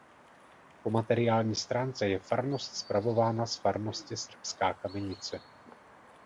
Po materiální stránce je farnost spravována z farnosti Srbská Kamenice.